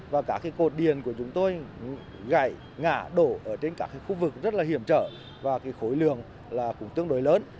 và cả cái cột điện của chúng tôi gãy ngả đổ ở trên các khu vực rất là hiểm trở và cái khối lường là cũng tương đối lớn